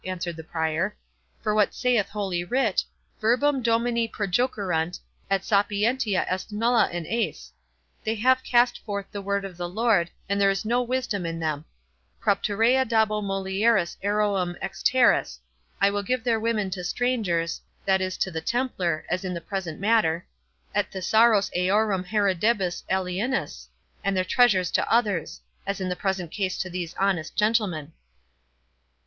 answered the Prior; "for what saith holy writ, 'verbum Domini projecerunt, et sapientia est nulla in eis'—they have cast forth the word of the Lord, and there is no wisdom in them; 'propterea dabo mulieres eorum exteris'—I will give their women to strangers, that is to the Templar, as in the present matter; 'et thesauros eorum haeredibus alienis', and their treasures to others—as in the present case to these honest gentlemen."